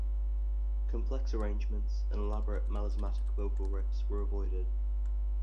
Complex arrangements and elaborate, melismatic vocal riffs were avoided.